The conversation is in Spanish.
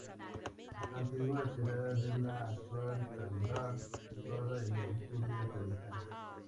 Esta antigua ciudad es la actual Kandahar, situada en el sur de Afganistán.